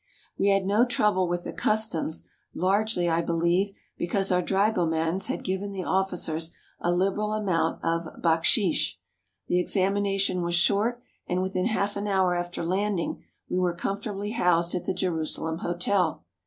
We had no trouble with the customs, largely, I believe, be cause our dragomans had given the officers a liberal amount of baksheesh. The examination was short, and within half an hour after landing we were comfortably housed at 18 THE CITY OF JONAH the Jerusalem Hotel.